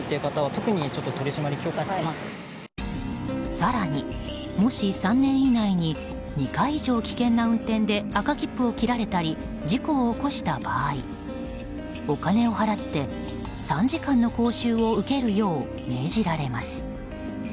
更に、もし３年以内に２回以上危険な運転で赤切符を切られたり事故を起こした場合お金を払って３時間の講習を受けるよう命じられます。